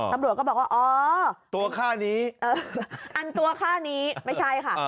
ตำรวจก็บอกว่าอ๋อตัวค่านี้อันตัวค่านี้ไม่ใช่ค่ะ